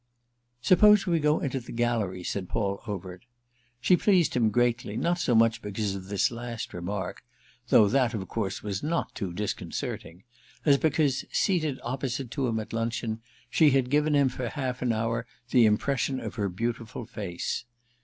"Suppose we go into the gallery," said Paul Overt. She pleased him greatly, not so much because of this last remark—though that of course was not too disconcerting—as because, seated opposite to him at luncheon, she had given him for half an hour the impression of her beautiful face.